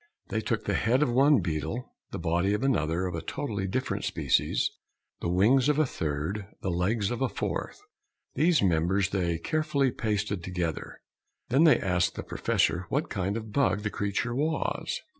They took the head of one beetle, the body of another of a totally different species, the wings of a third, the legs of a fourth. These members they carefully pasted together. Then they asked the professor what kind of bug the creature was.